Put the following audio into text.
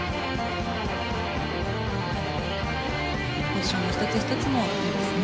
ポジション１つ１つもいいですね。